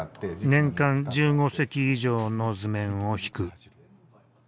年間１５隻以上の図面をひく。